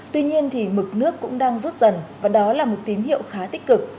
tuy nhiên thì mực nước cũng đang rút dần và đó là một tín hiệu khá tích cực